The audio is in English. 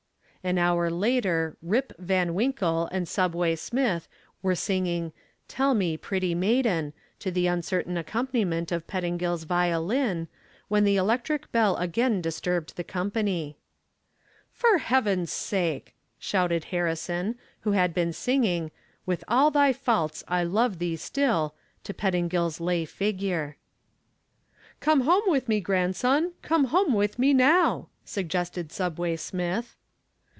An hour later "Rip" Van Winkle and Subway Smith were singing "Tell Me, Pretty Maiden," to the uncertain accompaniment of Pettingill's violin, when the electric bell again disturbed the company. "For Heaven's sake!" shouted Harrison, who had been singing "With All Thy Faults I Love Thee Still," to Pettingill's lay figure. "Come home with me, grandson, come home with me now," suggested Subway Smith.